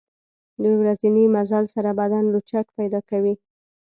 د ورځني مزل سره بدن لچک پیدا کوي.